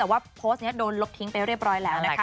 แต่ว่าโพสต์นี้โดนลบทิ้งไปเรียบร้อยแล้วนะคะ